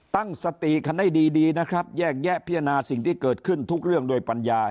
ตั้งสติกันให้ดีนะครับแยกแยะพิจารณาสิ่งที่เกิดขึ้นทุกเรื่องด้วยปัญญา